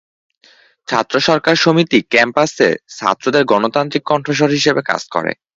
ছাত্র সরকার সমিতি ক্যাম্পাসে ছাত্রদের গণতান্ত্রিক কণ্ঠস্বর হিসেবে কাজ করে।